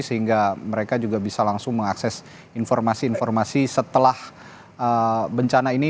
sehingga mereka juga bisa langsung mengakses informasi informasi setelah bencana ini